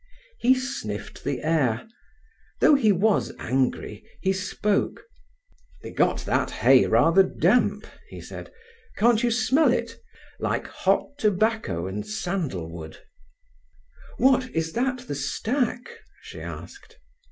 He sniffed the air. Though he was angry, he spoke. "They got that hay rather damp," he said. "Can't you smell it—like hot tobacco and sandal wood?" "What, is that the stack?" she asked.